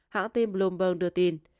hãng tin bloomberg đưa tin